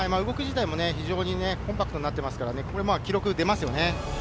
動き自体も非常にコンパクトになってますからね、これ、記録出ますよね。